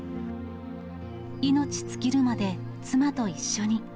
命尽きるまで、妻と一緒に。